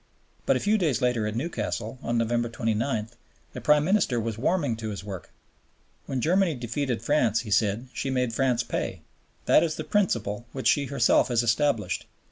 But a few days later at Newcastle (November 29) the Prime Minister was warming to his work: "When Germany defeated France she made France pay. That is the principle which she herself has established.